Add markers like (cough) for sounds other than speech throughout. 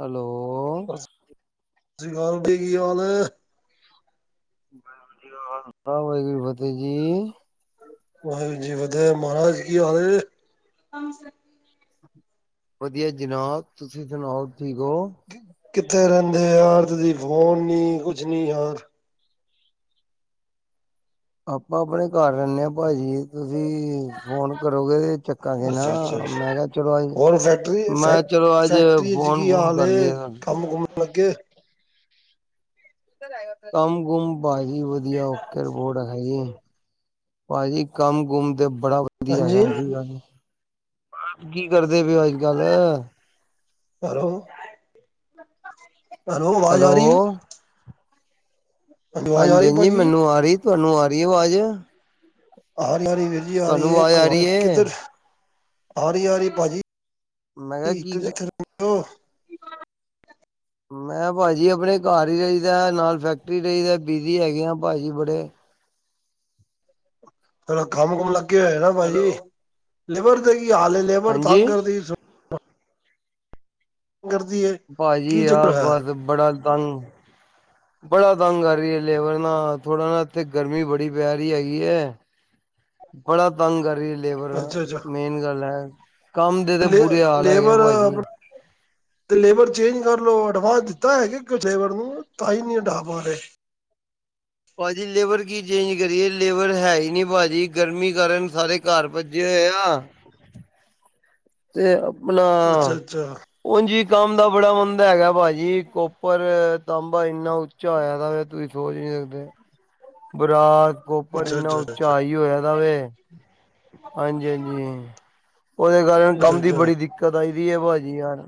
Hello. ਸਤਿ ਸ਼੍ਰੀ ਅਕਾਲ ਜੀ, ਕੀ ਹਾਲ ਏ? ਵਾਹਿਗੁਰੂ ਜੀ ਕਾ ਖਾਲਸਾ, ਵਾਹਿਗੁਰੂ ਜੀ ਫਤਿਹ ਕੀ ਫ਼ਤੇਹ ਜੀ। ਵਾਹੋਗੁਰੂ ਜੀ ਕੀ ਫਤਹਿ, ਮਹਾਰਾਜ ਕੀ ਹਾਲ ਨੇ? ਵਧੀਆ ਜਨਾਬ, ਤੁਸੀਂ ਸੁਣਾਓ ਠੀਕ ਓ। ਕਿੱਥੇ ਰੈਂਦੇ ਯਾਰ, ਤੁਸੀ ਫੋਨ ਨੀ ਕੁਛ ਨੀ ਯਾਰ। ਆਪਾਂ ਅਪਨੇ ਘਰ ਰੈਂਦੇ ਆਂ ਭਾਜੀ, ਤੁਸੀਂ ਫੋਨ ਕਰੋਗੇ ਤੇ ਚੱਕਾ ਅੱਛਾ ਅੱਛਾ ਗੇਨਾਂ, ਮੈਂ ਕੇਯਾ ਚਲੋ ਹੋਰ ਫੈਕਟਰੀ ਮੈਂ ਫੈਕ ਚਲੋ ਅੱਜ ਫੈਕਟਰੀ ਚ ਕੀ ਫੋਨ-ਫੂਨ ਹਾਲ ਕਰਦੇ ਏ ਆ। (inaudible) ਕੰਮ-ਕੁੱਮ ਬਸ ਜੀ ਵਧੀਆ, ਓਕੇ ਰਿਪੋਟ ਹੈਗੀਏ। ਭਾਜੀ, ਕੰਮ ਕੁੁੰਮ ਤੇ ਬੜਾ ਵਦੀਆ ਹਾਂਜੀ ਹੈਗਾ (unintelligible) ਆਪ ਕੀ ਕਰਦੇ ਪਏਓ ਅੱਜ-ਕੱਲ? ਹੈਲੋ ਹੈਲੋ, ਆਵਾਜ ਆ ਰੀਏ? ਆਵਾਜ਼ ਆ ਰਹੀ ਹਾਂਜੀ-ਹਾਂਜੀ ਭਾਜੀ ਮੈਨੂੰ ਆ ਰੀ, ਤੁਆ ਨੂੰ ਆ ਰੀਏ ਆਵਾਜ? ਆ ਰੀ, ਆਰੀ ਐ ਵੀਰ ਜੀ, ਆਵਾਜ਼ ਆ ਰਹੀ (unintelligible) ਹੈ ਕਿੱਦਰ? ਆ ਰੀ, ਆ ਰੀਏ ਭਾਜੀ ਮੈਂ ਕਿਹਾ ਕੀ (unintelligible) ਮੈਂ ਭਾਜੀ ਅਪਨੇ ਘਰ ਈ ਰਈਦੈ ਨਾਲ ਫੈਕਟਰੀ ਰਈਦੈ, ਬੀਜੀ ਹੈਗੇ ਆ ਭਾਜੀ ਬੜੇ। ਥੋੜਾ ਕੰਮ-ਕੁਮ ਲੱਗੇ ਹੋਏ ਨਾ ਭਾਜੀ। ਹੈਲੋ ਲੇਬਰ ਦੇ ਈ ਹਾਲ ਏ, ਲੇਬਰ ਹਾਂਜੀ ਤੰਗ ਕਰਦੀ ਕਰਦੀ ਏ। ਭਾਜੀ ਆ ਬਸ ਬੜਾ ਤੰਗ ਬੜਾ ਤੰਗ ਕਰ ਰਿਐ ਲੇਬਰ ਨਾ, ਥੋੜਾ ਨਾ ਏਥੇ ਗਰਮੀ ਬੜੀ ਪੈਰੀ ਹੈਗੀ ਏ। ਬੜਾ ਤੰਗ ਕਰ ਰਿਐ ਲੇਬਰ, ਅੱਛਾ ਅੱਛਾ ਮੇਨ ਗੱਲ ਐ। ਕੰਮ ਦੇ ਤੇ ਲੇ ਬੁਰੇ ਹਾਲ ਹੈਗੇ ਆ, ਲੇਬਰ ਪਾਜੀ। ਤੇ ਲੇਬਰ ਚੇਂਜ ਕਰਲੋ, ਅਡਵਾਂਸ ਦਿੱਤਾ ਹੈਯਾ ਕੇ ਲੇਬਰ ਨੂੰ ਤਾਂ ਹੀ ਨੀ ਹਡਾ ਪਾਰੇ। ਭਾਜੀ ਲੇਬਰ ਕੀ ਚੇਂਜ ਕਰੀਏ, ਲੇਬਰ ਹੈਈ ਨੀ ਭਾਜੀ ਗਰਮੀ ਕਾਰਨ ਸਾਰੇ ਘਰ ਭੱਜੇ ਹੋਏ ਆ। ਤੇ ਅਪਨਾ ਅੱਛਾ ਅੱਛਾ ਓੰਜ ਈਂ ਕੰਮ ਦਾ ਬੜਾ ਮੰੰਦਾ ਹੈਗਾ ਭਾਜੀ, ਕੋਪਰ, ਤਾਂਬਾ ਏਨਾ ਚਾ ਆਯਾ ਦਾ ਵੇ, ਤੁਸੀ ਸੋਚ ਨੀ ਸਕਦੇ। ਬਰਾਸ, ਕੋਪਰ ਅੱਛਾ ਇੰਨਾ ਅੱਛਾ ਉੱਚਾ ਅੱਛਾ ਹਾਈ ਹੋਯਾ ਦਾ ਵੇ ਹਾਂਜੀ-ਹਾਂਜੀ, ਓਦੇ ਕਾਰਕੇ ਅੱਛਾ ਕੰਮ ਦੀ ਅੱਛਾ ਬੜੀ ਦਿੱਕਤ ਆਈਦੀ ਏ, ਭਾਜੀ ਯਾਰ।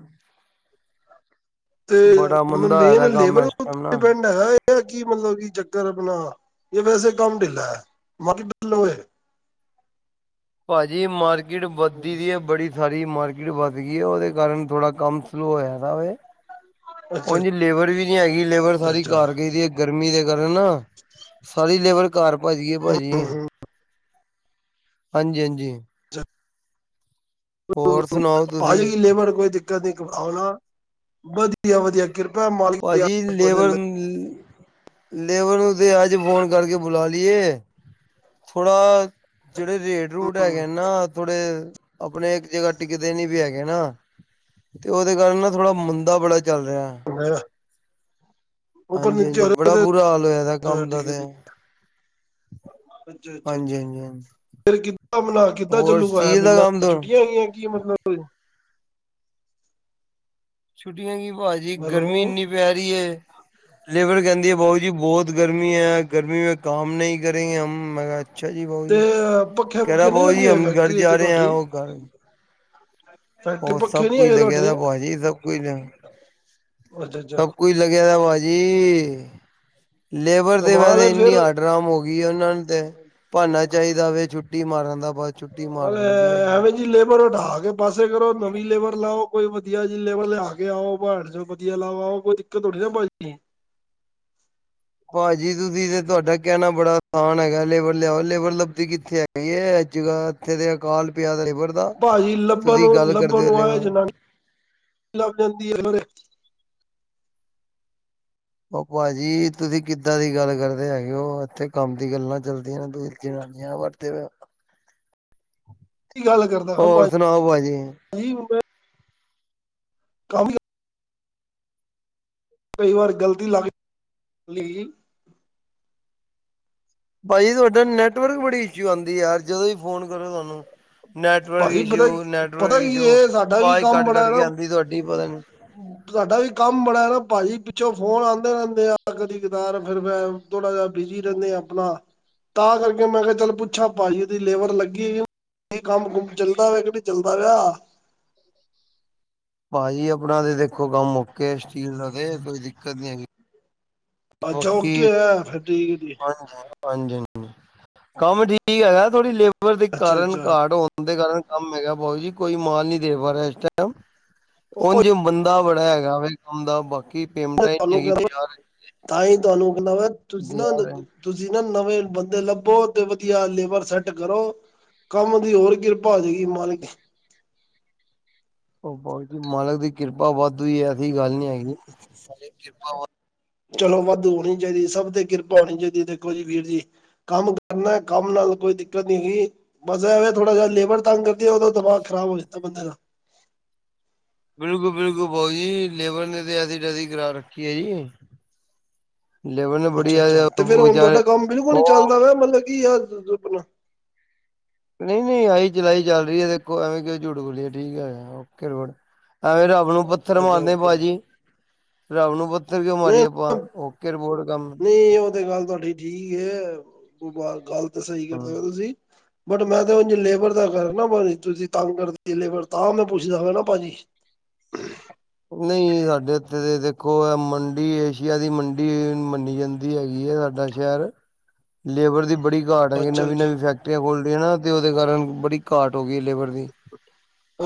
ਤੇ ਬੜਾ ਮੰਦਾ ਹੋਇਆ ਮੇਨ ਦਾ ਕੰਮ ਲੇਬਰ ਇਸ ਓ ਟਾਈਮ ਨਾ ਡਿਪੈਂਡ ਹੈਗਾ ਏ। ਐ ਕੀ ਮਤਲਬ, ਕੀ ਚੱਕਰ ਆਪਣਾ ਏ ਵੈਸੇ ਕੰਮ ਢਿੱਲੈ, ਬਾਕੀ (unintelligible) ਭਾਜੀ ਮਾਰਕੀਟ ਵਧਦੀ ਦੀ ਐ ਬੜੀ। ਸਾਡੀ ਮਾਰਕੀਟ ਵੱਧ ਗਿਐ, ਓਦੇ ਕਾਰਨ ਥੋੜਾ ਕੰਮ ਸਲੋ ਹੋਯਾ ਦਾ ਵੇ। ਅੱਛਾ ਉਂਜ ਲੇਬਰ ਵੀ ਨੀ ਹੈਗੀ, ਲੇਬਰ ਅੱਛਾ ਸਾਰੀ ਅੱਛਾ ਘਰ ਗਈ ਦੀਏ ਗਰਮੀ ਦੇ ਕਾਰਨ। ਸਾਰੀ ਲੇਬਰ ਘਰ ਭੱਜ ਗਈਏ ਭਾਜੀ, ਹੂੰ ਹੂੰ ਹਾਂਜੀ-ਹਾਂਜੀ। (inaudible) ਹੋਰ ਸੁਣਾਓ ਤੁਸੀਂ ਆਜੇਗੀ ਲੇਬਰ ਕੋਈ ਦਿੱਕਤ ਨੀ, ਆਣਾ ਵਧੀਆ-ਵਧੀਆ। ਕਿਰਪਾ ਮਾ ਭਾਜੀ ਲੇਬਰ-ਲੇਬਰ ਨੂੰ ਤੇ ਅੱਜ ਫੋਨ ਕਰਕੇ ਬੁਲਾ ਲਈਏ। ਥੋੜਾ ਜਿਹੜੇ ਰੇਟ, ਰੂਟ ਲੱਗ ਹੈਗੇ ਨਾ ਥੋੜੇ ਆਪਣੇ ਇੱਕ ਜਗ੍ਹਾ ਟਿਕਤੇ ਨੀ ਵੀ ਹੈਗੇ ਨਾ। ਤੇ ਉਹਦੇ ਕਾਰਨ ਨਾ ਥੋੜਾ ਮੁੰਦਾ ਬੜਾ ਚੱਲ ਰਿਹਾ। ਉੱਪਰ ਨੀਚੇ ਹਾਂਜੀ-ਹਾਂਜੀ ਹੋ ਬੜਾ ਰਿਹਾ ਬੁਰਾ ਹਾਲ ਹੋਇਆ ਦਾ ਕੰਮ ਦਾ ਤੇ। ਹਾਂਜੀ ਅੱਛਾ-ਅੱਛਾ-ਅੱਛਾ, ਹਾਂਜੀ ਹਾਂਜੀ ਫਿਰ ਕਿ ਕੰਮ ਨਾਲ ਕਿੱਦਾਂ ਹੋਰ ਚੱਲੂ ਗਾ ਯਾਰ ਸਟੀਲ ਦਾ ਮਹੀਨਾ, ਕੰਮ ਤੋਂ ਛੁੱਟੀਆਂ ਹੋਈਆਂ ਕੀ ਮਤਲਬ ਛੁੱਟੀਆਂ ਕੀ ਭਾਜੀ ਹੈਲੋ ਗਰਮੀ ਇੰਨੀ ਪੈ ਰੀ ਏ। ਲੈਵਰ ਕੇਂਦੀ ਏ ਭਊ ਜੀ ਬਹੁਤ ਗਰਮੀ ਐ, ਗਰਮੀ ਮੈਂ ਕੰਮ ਨਈ ਕਰੇਗੇ ਹਮ, ਮੈਂ ਕਿਹਾ ਅੱਛਾ ਜੀ ਬਊ ਤੇ ਜੀ, ਪੱਖੇ ਕਹਿਰਾ ਪੁੱਖੇ ਨੀ ਬਊ ਲੱਗੇ ਜੀ ਹੋਏ ਹਮ ਘਰ ਫੈਕਟਰੀ ਜਾ ਚ ਰਹੇ ਐ ਤੁਹਾਡੀ ਉਹ ਘ ਫੈਕਟਰੀ ਉਰ ਸਭ ਪੱਖੇ ਨੀ ਕੁਝ ਹੈਗੇ ਲੱਗਿਆ ਤੁਹਾਡੇ ਦਾ ਭਾਜੀ ਸਭ ਕੁਝ, ਅੱਛਾ ਅੱਛਾ ਸਭ ਕੋਈ ਲੱਗਿਆ ਭਾਜੀ, ਲੇਬਰ ਤੇ ਕਮਾਲ ਹੈ ਵੈਸੇ ਇੰਨੀ ਫਿਰ ਹੱਡ ਰਾਮ ਹੋ ਗਈ ਉਹਨਾਂ ਨੂੰ ਤੇ, ਭਾਨਨਾ ਚਾਈਦਾ ਛੁੱਟੀ ਮਾਰਨ ਦਾ ਬਾ ਅ ਐਵੇਂ ਜੀ ਲੇਵਰ ਹਟਾ ਕੇ ਪਾਸੇ ਕਰੋ ਨਵੀ ਲੇਵਰ ਲਾਓ। ਕੋਈ ਵਧੀਆ ਜੀ ਲੇਬਰ ਲਿਆ ਕੇ ਆਓ ਬਹਾੜ ਚ ਵਧੀਆ ਲਾਓ ਆਓ ਕੋਈ ਦਿੱਕਤ ਥੁਰੀ ਨਾ ਭਾਈ ਜੀ। ਭਾਜੀ ਤੁਸੀ ਤੇ ਤੁਹਾਡਾ ਕਹਿਣਾ ਬੜਾ ਆਸਾਨ ਹੈਗਾ ਲੇਬਰ ਲਿਆਓ ਲੇਬਰ ਲਬਦੀ ਕਿੱਥੇ ਐ ਐ ਅੱਜਗਾ ਇੱਥੇ ਦੇ ਅਕਾਲ ਪਿਆ ਦਾ ਲੇਵਰ ਭਾਜੀ ਲੱਭਣ ਨੂੰ ਲੱਭਣ ਨੂੰ ਆਏ ਲੇਬਰ ਜਨਾਨ, ਲੱਭ ਜਾਂਦੀ ਐ ਲੇਵਰ ਚ। ਉਹ ਭਾਜੀ ਤੁਸੀਂ ਕਿੱਦਾਂ ਦੀ ਗੱਲ ਕਰਦੇ ਹੈਗੇ ਓ ਇੱਥੇ ਕੰਮ ਦੀ ਗੱਲਾਂ ਚਲਦੀਆਂ ਨੇ ਤੁਹੀ ਜਨਾਨੀਆਂ ਵਾਅਦੇ ਤੇ ਕੀ ਗੱਲ ਕਰਦਾ ਹ ਹੋਰ ਭ ਸੁਣਾਓ ਭਾਜੀ। (unintelligible) (unintelligible) ਕਈ ਵਾਰ ਗ਼ਲਤੀ ਲੱਗ, ਲੀ ਭਾਜੀ ਤੁਹਾਡਾ ਨੈਟਵਰਕ ਬੜੀ ਇਸ਼ੂ ਆਂਦੀ ਯਾਰ, ਜਦੋਂ ਵੀ ਫੋਨ ਕਰੋ ਤੁਹਾਨੂੰ। ਨੈਟਵਰਕ ਭਾਜੀ ਪਤਾ ਇਸ਼ੂ, ਨੈਟਵਰਕ ਪਤਾ ਕੀ ਇਸ਼ੂ, ਇਹ ਸਾਡਾ ਵੀ ਆਵਾਜ਼ ਕੰਮ ਕੱਟ-ਕੱਟ ਬੜਾ ਕੇ ਨਾ ਆਂਦੀ ਤੁਹਾਡੀ ਪਤਾ ਨੀ। ਸਾਡਾ ਵੀ ਕੰਮ ਬੜਾ ਐ ਨਾ ਭਾਜੀ, ਪਿੱਛੋਂ ਫੋਨ ਆਂਦੇ ਰੇਂਦੇ ਆ ਕਦੀ ਕਤਾਰ ਫਿਰ ਮੈ ਥੋੜਾ ਜਿਹਾ ਬਿਜੀ ਰੇਂਦੇ ਆ ਆਪਣਾ, ਤਾਂ ਕਰਕੇ ਮੈਂ ਕਿਹਾ ਚੱਲ ਪੁੱਛਾਂ ਭਾਜੀ ਦੀ ਲੇਬਰ ਲੱਗੀ ਕੀ, ਕੰਮ-ਕੁਮ ਚੱਲਦਾ ਆ ਕਿ ਨਈ ਚੱਲਦਾ ਪਿਆ। ਭਾਜੀ ਆਪਣਾ ਤੇ ਦੇਖੋ ਕੰਮ ਓਕੇ ਸਟੀਲ ਦਾ ਤੇ ਕੋਈ ਦਿੱਕਤ ਨੀ ਹੈਗੀ। ਅੱਛਾ ਬਕੀ, ਓਕੇ ਹੈ ਫਿਰ ਠੀਕ ਜੀ ਹਾਜੀ। ਹਾਂਜੀ-ਹਾਂਜੀ, ਕੰਮ ਠੀਕ ਹੈਗਾ ਥੋੜੀ ਲੇਬਰ ਦੇ ਅੱਛਾ ਕਾਰਨ ਅੱਛਾ ਕਾਟ ਹੋ ਬੰਦੇ ਕਾਰਨ ਕੰਮ ਹੈਗਾ ਬਓ ਜੀ ਕੋਈ ਮਾਲ ਨੀ ਦੇ ਪਾ ਰਿਹਾ ਇਸ, ਟਾਈਮ ਉਹ ਉਂਝ ਬੰਦੇ ਦਾ ਬੜਾ ਹੈਗਾ ਵ ਕੰਮ ਦਾ ਬਾਕੀ ਪੇਮੈਂਟਾਂ ਈ ਨੀ ਤੁਹਾਨੂੰ ਹੈਗੀ ਕਹ, ਬਾਜ਼ਾਰ ਤਾਂ ਹੀ ਤਾਨੂੰ ਕੇਂਦਾ, ਵ ਤੁਸੀਂ ਨਾ ਬਾਜ਼ਾਰ ਤੁਸੀਂ ਨਾ ਨਵੇਂ ਬੰਦੇ ਲੱਭੋ ਤੇ ਵਧੀਆ ਲੇਬਰ ਸੈੱਟ ਕਰੋ। ਕੰਮ ਦੀ ਹੋਰ ਕਿਰਪਾ ਹੋ ਜਾਏਗੀ ਮਾਲਕ ਉਹ ਆ ਭਜੀ ਮਾਲਕ ਦੀ ਕਿਰਪਾ ਵੱਧ ਈ ਐ ਐਸੀ ਗੱਲ ਨੀ ਹੈਗੀ, ਕਿਰਪਾ ਵਾ ਚਲੋ ਵਾਧੂ ਹੋਣੀ ਚਾਈਦੀ ਸਭ ਤੇ ਕਿਰਪਾ ਹੋਣੀ ਚਾਈਦੀ ਹੈ ਦੇਖੋ ਜੀ ਵੀਰ ਜੀ। ਕੰਮ ਕਰਨਾ ਕੰਮ ਨਾਲ ਕੋਈ ਦਿੱਕਤ ਨੀ ਹੇਗੀ, ਬਸ ਐਵੇ ਥੋੜਾ ਜਿਹਾ ਲੇਵਰ ਤੰਗ ਕਰਦੇ ਉਦੋਂ ਦਿਮਾਗ ਖਰਾਬ ਹੋ ਜਾਂਦਾ ਬੰਦੇ ਦਾ। ਬਿਲਕੁਲ-ਬਿਲਕੁਲ ਬਾਓ ਜੀ ਲੇਬਰ ਨੇ ਤੇ ਅਸੀ, ਤੈਸੀ ਕਰਾ ਰੱਖੀ ਐ ਜੀ। ਲੇਬਰ ਨੇ ਬੜੀ ਅੱਛਾ-ਅੱਛਾ, ਤੇ ਫੇਰ ਹੁਣ ਵਿਚਾਰੇ ਤੁਆਡਾ ਕੰਮ ਬਿਲਕੁਲ ਨੀਂ ਉਹ ਚੱਲਦਾ ਪਆ ਮਤਲਬ ਕੀ (unintelligible) ਨਈ-ਨਈਂ, ਆਈ ਚਲਾਈ ਚੱਲ ਰੀ ਐ ਦੇਖੋ। ਐਵੇਂ ਕਿਉਂ ਝੂਠ ਬੋਲੀਏ ਠੀਕ ਐ, (unintelligible) ਐਵੇਂ ਰਾ ਨੂੰ ਪੱਥਰ ਅੱਛਾ ਮਾਰਣੇ ਓਕੇ ਭਾਜੀ, ਰੱਬ ਨੂੰ ਪੱਥਰ ਕਿਂਉ ਮਾਰੀਏ ਆਪਾਂ, ਓਕੇ ਰਿਪੋਟ ਕੰਮ ਨਈਂ ਓ ਤੇ ਗੱਲ ਤੁਆਡੀ ਠੀਕ ਐ, ਗੱਲ ਤਾਂ ਸਈ ਕਰਦੇ ਓ ਹੂੰ। ਤੁਸੀਂ। ਬਟ ਮੈਂ ਤੇ ਉਂਝ ਲੇਬਰ ਦਾ ਕਰਨਾ ਭਾਜੀ, ਤੁਸੀਂ ਤੰਗ ਕਰਤੀ ਲੇਬਰ ਤਾਂ ਮੈਂ ਪੁੱਛਣਾ ਹਨਾਂ ਭਾਜੀ। ਨਈਂ ਸਾਡੇ ਇੱਥੇ ਤੇ ਦੇਖੋ ਐ ਮੰਡੀ, ਏਸ਼ੀਆ ਦੀ ਮੰਡੀ ਏ ਮੰਨੀ ਜਾਂਦ ਦੀ ਹੈਗੀ ਐ। ਸਾਡਾ ਸ਼ਹਿਰ, ਲੇਵਰ ਦੀ ਬੜੀ ਘਾਟ ਹੈਗੀ ਅੱਛਾ ਅੱਛਾ ਨਵੀਂ-ਨਵੀਂ ਫੈਕਟਰੀ ਫੈਕਟੀਆਂ ਖੋਲਦੀਆਂ ਨਾ ਤੇ ਓਦੇ ਕਾਰਨ ਬੜੀ ਘਾਟ ਹੋ ਗੀ ਲੇਬਰ ਦੀ।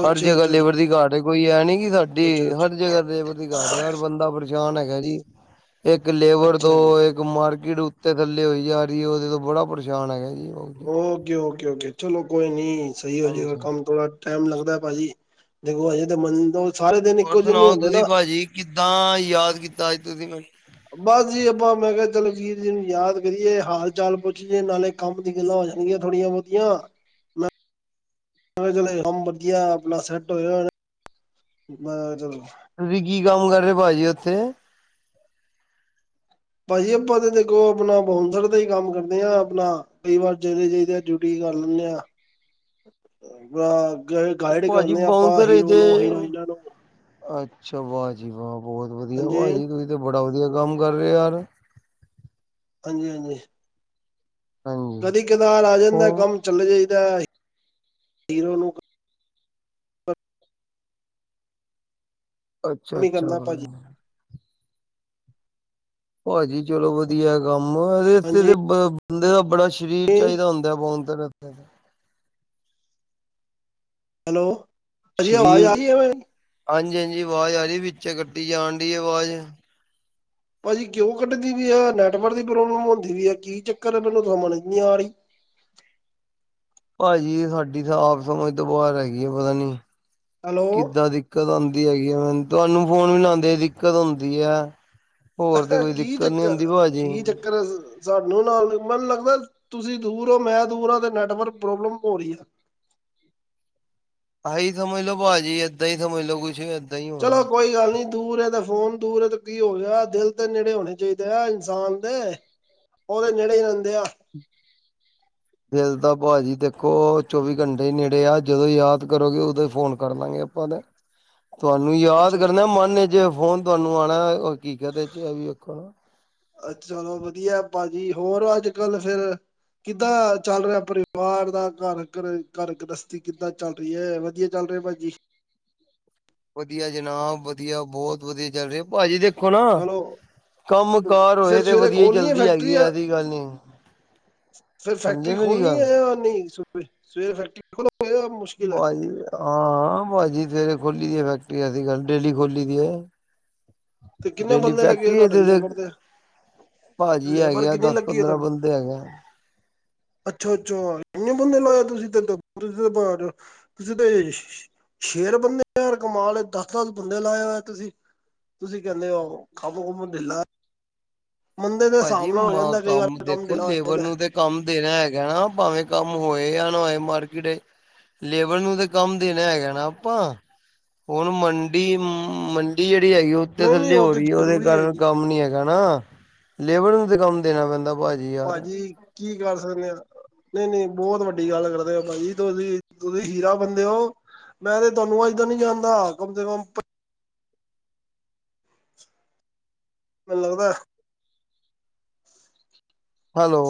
ਹਰ ਅੱਛਾ ਅੱਛਾ ਜਗ੍ਹਾ ਅੱਛਾ ਲੇਵਰ ਦੀ ਘਾਟ ਐ, ਕੋਈ ਐ ਨੀ ਕਿ ਸਾ ਅੱਛਾ ਡੀ ਹਰ ਜਗ੍ਹਾ ਲੈਵਰ ਘਾਟ ਐ, ਹਰ ਬੰਦਾ ਪਰੇਸ਼ਾਨ ਹੈਗਾ ਜੀ। ਇੱਕ ਲੇਬਰ ਅੱਛਾ ਅੱਛਾ ਤੋਂ ਇੱਕ ਮਾਰਕੀਟ ਉੱਤੇ ਥੱਲੇ ਹੋਈ ਜਾ ਰੀ ਓਦੇ ਤੋਂ ਬੜਾ ਪਰੇਸ਼ਾਨ ਹੈਗਾ। ਜੀ। ਹਾਂਜੀ। Okay, okay, okay. ਚਲੋ ਕੋਈ ਨੀਂ ਸਈ ਹੋਜੇਗਾ ਕੰਮ ਥੋੜਾ ਟੈਮ ਲੱਗਦਾ ਭਾਜੀ। ਦੇਖੋ, ਹਜੇ ਤੇ ਮੰਨ (unintelligible) ਸਾਰੇ ਦਿਨ ਹੋਰ ਇੱਕੋ ਜੇ ਨਈਂ ਸੁਣਾਓ ਹੁੰਦੇ ਨਾਂ। ਤੁਸੀਂ ਭਾਜੀ ਕਿੱਦਾਂ ਯਾਦ ਕੀਤਾ ਅੱਜ ਤੁਸੀਂ ਮੈਨੂੰ? ਬਸ ਜੀ, ਆਪਾਂ ਮੈਂ ਕਿਆ ਚੱਲੋ ਵੀਰ ਜੀ ਨੂੰ ਯਾਦ ਕਰੀਏ, ਹਾਲ-ਚਾਲ ਪੁੱਛੀਏ ਨਾਲੇ ਕੰਮ ਦੀ ਗੱਲਾਂ ਹੋ ਜਾਂਣਗੀਆਂ ਥੋੜੀਆਂ-ਬੋਤੀਆਂ। ਚਲੋ ਚਲੇ ਕੰਮ ਵਧੀਆ ਆਪਣਾ ਸੈਟ ਹੋਜੇਗਾ ਤੇ (unintelligible) ਤੁਸੀਂ ਕੀ ਕੰਮ ਕਰਦੇ ਭਾਜੀ ਉੱਥੇ? ਭਾਜੀ ਆਪਾਂ ਤਾਂ ਦੇਖੋ ਆਪਣਾ ਬਾਉਂਸਰ ਦਾ ਈ ਕੰਮ ਕਰਦੇ ਆਂ ਆਪਣਾ। ਕਈ ਵਾਰ ਚਲੇ ਜਾਈਦਾ, ਡਿਊਟੀ ਕਰ ਲੈਂਣੇ ਆਂ। ਬਾ ਗਾਈ ਉਹ ਗਾਈਡ ਭਾਜੀ ਕਰਨੇ ਆਪਾਂ ਬਾਊਂਸਰ ਹੀਰੋ ਇਥੇ ਨੂੰ, ਹੀਰੋਇਨਾਂ ਨੂੰ। ਅੱਛਾ, ਵਾਹ ਜੀ ਵਾਹ। ਬਹੁਤ ਵਧੀਆ ਹਾਂਜੀ ਵਾ ਜੀ ਤੁਹੀਂ ਤੇ ਬੜਾ ਵਧੀਆ ਕੰਮ ਕਰ ਰੇ ਯਾਰ। ਹਾਂਜੀ ਹਾਂਜੀ। ਹਾਂਜੀ। ਕਦੀ-ਕਦਾਰ ਆ ਜਾਂਦਾ ਉਹ ਕੰਮ, ਚੱਲੇ ਚਾਈਦਾ। ਹੀਰੋ ਨੂੰ ਅੱਛਾ ਕੰਮ ਹੀ ਅੱਛਾ। ਕਰਦਾ ਭਾਜੀ (unintelligible) ਭਾਜੀ ਚਲੋ ਵਧੀਆ ਕੰਮ, ਏਥੇ ਹਾਂਜੀ ਤੇ ਬ ਬੰਦੇ ਦਾ ਬੜਾ ਸਰੀਰ ਚਾਈਦਾ ਹੁੰਦਾ ਬਾਓਂਸਰ ਆਸਤੇ ਹੈਲੋ। ਭਾਜੀ ਆਵਾਜ਼ ਸਰੀਰ, ਆ ਰਹੀ ਹੈ ਮੇਰੀ ਹਾਂਜੀ ਹਾਂਜੀ ਆਵਾਜ਼ ਆ ਰੀ ਵਿੱਚੇ ਕੱਟੀ ਜਾਣ ਡੀ ਆਵਾਜ਼। ਭਾਜੀ ਕਿਉਂ ਕੱਢਦੀ ਵੀ ਐ, ਨੈਟਵਰਕ ਦੀ ਪ੍ਰੋਬਲਮ ਹੁੰਦੀ ਵੀ ਐ, ਕੀ ਚੱਕਰ ਮੈਨੂੰ ਸਮਝ ਨੀਂ ਆ ਰੀ। ਭਾਜੀ ਸਾਡੀ ਤਾਂ ਆਪ ਸਮਝ ਤੋਂ ਬਾਰ ਹੈਗੀ ਆ ਪਤਾ ਨੀਂ ਹੈਲੋ ਕਿੱਦਾਂ ਦੀ ਦਿੱਕਤ ਆਂਦੀ ਹੈਗੀ ਆ, ਤੁਆਨੂੰ ਫੋਨ ਮਿਲਾਂਦੇ ਈ ਦਿੱਕਤ ਆਓਂਦੀ ਐ। ਹੋਰ ਤੇ ਕੋਈ ਦਿੱਕਤ ਨੀਂ ਹੁੰਦੀ ਭਾਜੀ। ਬਸ। ਸਾਨੂੰ ਨਾਲ, ਮੈਨੂੰ ਲੱਗਦਾ ਤੁਸੀਂ ਦੂਰ ਓ, ਮੈਂ ਦੂਰ ਆਂ ਤੇ ਨੈਟਵਰਕ ਪ੍ਰੋਬਲਮ ਹੋ ਰੀ। ਆਹੀ ਸਮਝ ਲੋੋ ਭਾਜੀ, ਏਦਾਂ ਈ ਸਮਝ ਲੋ ਕੁੱਛ। ਚਲੋ ਕੋਈ ਗੱਲ ਨੀਂ। ਦੂਰ ਐ ਤੇ ਫੋਨ ਦੂਰ ਐ ਤੇ ਕੀ ਹੋ ਗਿਆ, ਦਿਲ ਤੇ ਨੇੜੇ ਹੋਣੇ ਚਾਈਦੇ ਆ ਇੰਨਸਾਨ ਦੇ। ਓਦੇ ਨੇੜੇ ਈ ਰੇਂਦੇ ਆ। (inaudible) ਦਿਲ ਤਾਂ ਭਾਜੀ ਦੇਖੋ, ਚੌਵੀ ਘੰਟੇ ਈ ਨੇੜੇ ਆ, ਜਦੋਂ ਯਾਦ ਕਰੋਗੇ ਉਦੋਂ ਈ ਫੋਨ ਕਰਲਾਂਗੇ ਆਪਾਂ ਤੇ ਤੁਆਨੂੰ ਯਾਦ ਅੱਛਾ ਅੱਛਾ ਕਰਨਾ ਮਨ ਚ, ਫੋਨ ਤੁਆਨੂੰ ਆਣਾ ਓ ਕੀ ਕੈਂਦੇ ਚ ਏਈ ਐ। ਅੱਛ ਚਲੋ ਵਧੀਆ ਭਾਜੀ। ਹੋਰ ਅੱਜ-ਕਲ ਫੇਰ ਕਿੱਦਾਂ ਚੱਲ ਰਿਆ ਪਰਿਵਾਰ ਦਾ, ਘਰ ਘਰ ਘਰ ਗ੍ਰਸਤੀ ਕਿੱਦਾਂ ਚੱਲ ਵਧੀਆ ਵਧੀਆ ਚੱਲ ਰਿਹਾ ਭਾਜੀ। ਵਧੀਆ ਜਨਾਬ ਵਧੀਆ ਬਹੁਤ ਵਧੀਆ ਚੱਲ ਰਿਹਾ ਭਾਜੀ ਦੇਖੋ ਨਾ ਚਲੋ ਕੰਮ ਕਾਰ ਫਿਰ ਹੋਏ ਤੇ ਸਵੇਰੇ ਵਧੀਆ ਹੀ ਖੋਲਣੀ ਹੈ ਚੱਲਦੀ ਹੈਗੀ ਫੈਕਟਰੀ ਐਸੀ ਗੱਲ ਨੀ। ਫਿਰ ਸਮਝੇ ਫੈਕਟਰੀ ਮੇਰੀ ਖੋਲਣੀ ਗੱਲ। ਹੈ ਨਹੀਂ ਸਵੇਰੇ ਫੈਕਟਰੀ ਖੋਲ ਭਾਜੀ ਹਾਂ ਭਾਜੀ ਸਵੇਰੇ ਖੋਲੀ ਦੀ ਫੈਕਟਰੀ ਅਸੀ ਗੱਲ ਡੇਲੀ ਖੋਲੀ ਦੀ ਹੈ। ਤੇ ਕਿੰਨੇ ਡੇਲੀ ਬੰਦੇ ਲੱਗੇ ਫੈਕਟਰੀ ਹੈ ਤੁਹਾਡੇ ਤੇ ਲੇਬਰ ਦੇ ਭਾਜੀ ਹੈਗੇ ਲੇਬਰ ਆ ਕਿੰਨੀ ਦੱਸ ਲੱਗੀ ਹੈ ਪੰਦਰਾਂ ਤੁਹਾਨੂੰ ਬੰਦੇ ਹੈਗੇ ਆ। ਅੱਛਾ ਅੱਛਾ ਏਨੇ ਬੰਦੇ ਲਾਏ ਆ ਤੁਸੀਂ ਤੇ ਤੁ ਤੁਸੀਂ ਤੇ (unintelligible) ਸ਼ੇਰ ਬੰਦੇ ਕਮਾਲ ਦੱਸ ਦੱਸ ਬੰਦੇ ਲਾ ਹੋਏ ਤੁਸੀਂ ਤੁਸੀਂ ਕਹਿੰਦੇ ਹੋ ਕੰਮ ਕੁਮ ਢਿੱਲਾ? ਮੁੰਦੇ ਦੇ ਭਾਜੀ ਹਿਸਾਬ ਨਾਲ ਹੋ ਮਾਂ ਜਾਂਦਾ ਕਈ ਵਾਰ ਕੰਮ ਦੇਖੋ ਢੀਲਾ ਹੋ ਲੇਬਰ ਜਾਂਦਾ। ਨੂੰ ਤੇ ਕੰਮ ਦੇਣਾ ਹੈਗਾ ਨਾ ਭਾਵੇਂ ਕੰਮ ਹੋਏ ਆ ਨਾ ਹੋਏ ਮਾਰਕੀਟ ਲੇਬਰ ਨੂੰ ਤਾਂ ਕੰਮ ਦੇਣਾ ਹੈਗਾ ਨਾ ਆਪਾਂ। ਹੁਣ ਮੰਡੀ-ਮੰਡੀ ਜੇੜੀ ਹੈਗੀ ਓ ਤੇ ਨਹੀਂ ਨਹੀਂ ਥੱਲੇ ਉਹ ਹੋ ਤੇ ਰਹੀ ਹੈ ਉਹਦੇ ਜ਼ਰੂਰੀ ਕਾਰਨ ਜੀ ਕੰਮ ਨੀ ਹੈਗਾ ਨਾ ਲੇਬਰ ਨੂੰ ਤੇ ਕੰਮ ਦੇਣਾ ਪੈਂਦਾ। ਭਾਜੀ ਯਾਰ ਭਾਜੀ ਕੀ ਕਰ ਸਕਦੇ ਆ ਨਹੀਂ ਨਹੀਂ ਬਹੁਤ ਵੱਡੀ ਗੱਲ ਕਰਦੇ ਆ ਭਾਜੀ ਤੁਸੀਂ ਤੁਸੀਂ ਹੀਰਾ ਬੰਦੇ ਹੋ ਮੈਂ ਤੇ ਤੁਹਾਨੂੰ ਅੱਜ ਦਾ ਨੀ ਜਾਂਦਾ ਕਮ ਸੇ ਕਮ ਮੈਨੂੰ ਲੱਗਦਾ ਹੈਲੋ।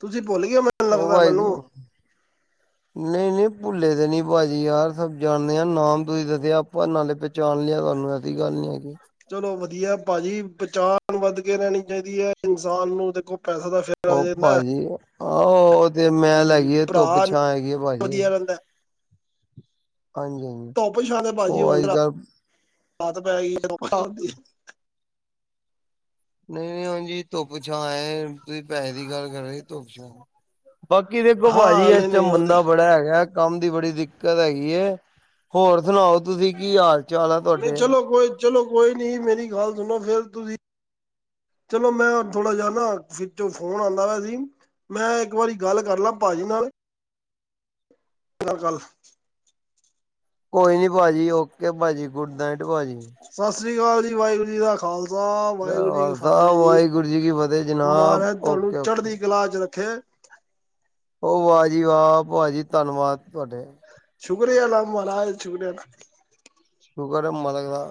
ਤੁਸੀਂ ਭੁੱਲ ਗਏ ਮੈਂ ਓ ਮਾਈ ਗੋ (unintelligible) ਨਈ-ਨਈ ਭੁੱਲੇ ਦੇ ਨੀ ਭਾਜੀ ਯਾਰ ਸਭ ਜਾਣਦੇ ਆ ਨਾਮ ਤੁਸੀਂ ਦੱਸਿਆ ਆਪਾਂ ਨਾਲੇ ਜਾਣ ਲਿਆ ਤੁਹਾਨੂੰ ਐਸੀ ਗੱਲ ਨੀ ਹੈਗੀ। ਚਲੋ ਵਧੀਆ ਭਾਜੀ ਪਹਿਚਾਣ ਵੱਧ ਕੇ ਰੈਣੀ ਚਾਈਦੀ ਐ ਇਨਸਾਨ ਨੂੰ ਦੇਖੋ ਪੈਸਾ ਦਾ ਫ ਓ ਭਾਜੀ ਆਹ ਤੇ ਮੈਲ ਵੀ ਹੈਗੀ ਆ ਧੁੱਪ ਭਰਾ ਛਾਂ ਹੈਗੀ ਐ ਭਾਜੀ। ਵਧੀਆ ਰਹਿੰਦਾ ਹੈ। ਹਾਂਜੀ ਹਾਂਜੀ ਧੁੱਪ ਛਾਂ ਤੇ ਭਾਜੀ ਉਹ ਅੱਜ (unintelligible) ਕੱਲ ਰਾਤ ਪੈਗੀ (unintelligible) ਨਈ-ਨਈ ਉਂਜ ਜੀ ਧੁੱਪ ਛਾਂ ਏ ਤੁਸੀਂ ਪੈਸੇ ਦੀ ਗੱਲ ਕਰ ਰੇ ਧੁੱਪ ਛਾਂ। ਬਾਕੀ ਦੇਖੋ ਭਾਜੀ ਹਾਂ ਇਸ ਨਹੀਂ ਚ ਨਹੀਂ ਉਹ ਤੇ ਮੰਦਾ ਬੜਾ ਹੈਗੈ। ਕੰਮ ਦੀ ਬੜੀ ਦਿੱਕਤ ਹੈਗੀ ਏ ਹੋਰ ਸੁਣਾਓ ਤੁਸੀਂ ਕੀ ਹਾਲ ਚਾਲ ਆ ਨਹੀਂ ਤੁਹਾਡੇ? ਚਲੋ ਕੋਈ ਚਲੋ ਕੋਈ ਨੀ ਮੇਰੀ ਗੱਲ ਸੁਣੋ ਫੇਰ ਤੁਸੀਂ ਚਲੋ ਮੈਂ ਥੋੜਾ ਜਾ ਨਾ ਵਿੱਚੋ ਫੋਨ ਆਂਦਾ ਵਾ ਸੀ। ਮੈਂ ਇੱਕ ਵਾਰੀ ਗੱਲ ਕਰ ਲਾ ਭਾਜੀ ਨਾਲ (unintelligible) ਕੋਈ ਨੀ ਭਾਜੀ ਓਕੇ ਭਾਜੀ ਗੁੱਡ ਨਾਈਟ ਭਾਜੀ। ਸਸ ਸ੍ਰੀ ਕਾਲ ਜੀ ਵਾਏਗੁਰੂ ਜੀ ਦਾ ਖਾਲਸਾ ਸਾ ਵਾਏਗੁਰੂ ਜੀ ਕੀ ਖਾਲਸਾ ਫਤਿਹ ਜੀ ਵਾਹਿਗੁਰੂ ਕੀ ਫਤਿਹ ਜਨਾਬ ਮਹਾਰਾਜ ਤੁਹਾਨੂੰ ਓਕੇ ਓਕੇ। ਚੜ੍ਹਦੀ ਕਲਾ ਚ ਰੱਖੇ। ਓ ਵਾਹ ਜੀ ਵਾਹ ਭਾ ਜੀ ਧੰਨਵਾਦ ਤੁਹਾਡੇ। ਸ਼ੁਕਰ ਐ ਅਲਾ ਮਹਾਰਾਜ ਸ਼ੁਕਰੀਆ। ਸ਼ੁਕਰ ਐ ਮਾਲਕ ਦਾ।